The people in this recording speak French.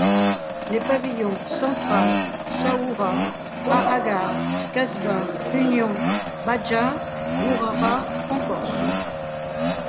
Les pavillons, Central, Saoura, Ahaggar, Casbah, Union, Bahdja, Gourara, Concorde.